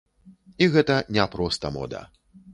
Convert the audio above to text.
І гэта не проста мода.